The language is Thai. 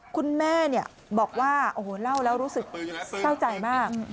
คุณแม่บอกว่าโอ้โหเล่าแล้วรู้สึกเศร้าใจมาก